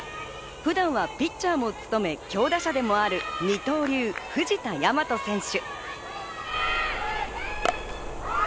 普段はピッチャーも務め、強打者でもある二刀流、藤田倭選手。